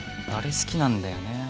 あれ好きなんだよね。